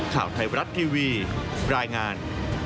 ข่าวไทยบรัฐทีวีรายงาน